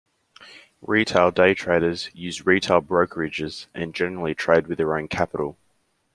Retail day traders use retail brokerages and generally trade with their own capital.